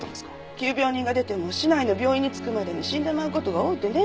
急病人が出ても市内の病院に着くまでに死んでまう事が多うてね。